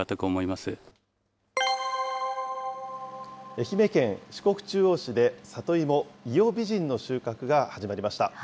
愛媛県四国中央市で里芋、伊予美人の収穫が始まりました。